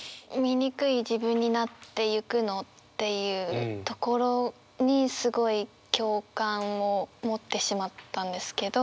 「醜い自分になってゆくの」っていうところにすごい共感を持ってしまったんですけど。